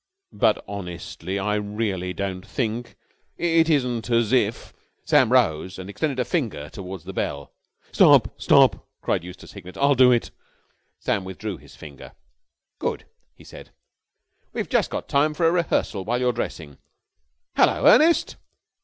"But honestly, I really don't think ... it isn't as if...." Sam rose and extended a finger towards the bell. "Stop! Stop!" cried Eustace Hignett. "I'll do it!" Sam withdrew his finger. "Good!" he said. "We've just got time for a rehearsal while you're dressing. 'Hullo, Ernest!'"